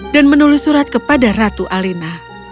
dan menulis surat kepada ratu alina